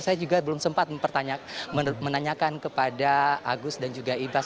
saya juga belum sempat menanyakan kepada agus dan juga ibas